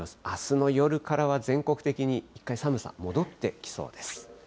あすの夜からは全国的に一回、寒さ戻ってきそうです。